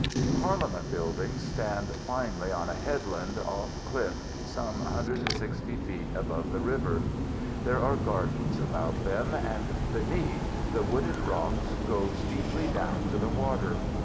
Parliament Buildings stand finely on a headland of cliff some 160 feet above the river. There are gardens about them; and beneath, the wooded rocks go steeply down to the water.